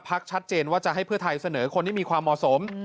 ชัดเจนว่าจะให้เพื่อไทยเสนอคนที่มีความเหมาะสม